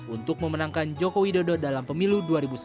untuk memenangkan joko widodo dalam pemilu dua ribu sembilan belas